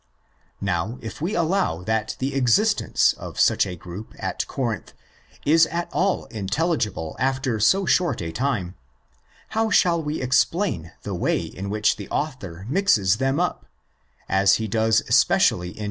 Now, if we allow that the existence of such a group at Corinth is at all intelligible after so short a time, how shall we explain the way in which the author mixes them up—as he does especially in 6.